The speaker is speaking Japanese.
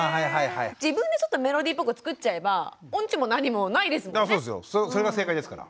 自分でちょっとメロディーっぽく作っちゃえば音痴も何もないですもんね。